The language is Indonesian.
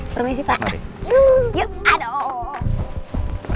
permisi pak yuk aduh